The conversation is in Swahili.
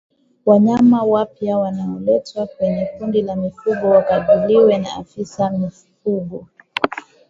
Wanyama wapya wanaoletwa kwenye kundi la mifugo wakaguliwe na afisa mifugo